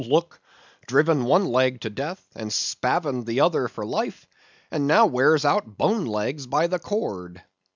Look, driven one leg to death, and spavined the other for life, and now wears out bone legs by the cord.